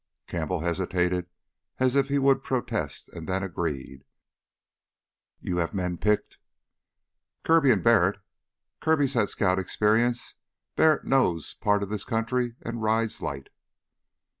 Campbell hesitated as if he would protest and then agreed. "You have men picked?" "Kirby and Barrett. Kirby's had scout experience; Barrett knows part of this country and rides light."